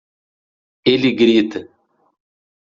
Ele grita